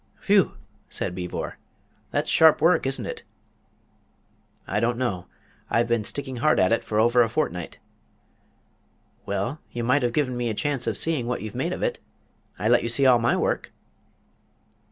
"Phew!" said Beevor; "that's sharp work, isn't it?" "I don't know. I've been sticking hard at it for over a fortnight." "Well, you might have given me a chance of seeing what you've made of it. I let you see all my work!"